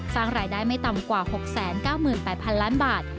สร้างรายได้ไม่ต่ำกว่า๖๙๘๐๐๐ล้านบาท